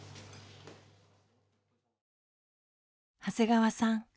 長谷川さん